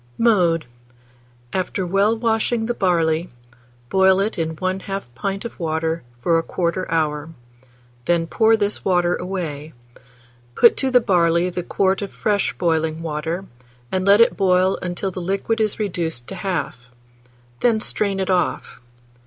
Mode. After well washing the barley, boil it in 1/2 pint of water for 1/4 hour; then pour this water away; put to the barley the quart of fresh boiling water, and let it boil until the liquid is reduced to half; then strain it off.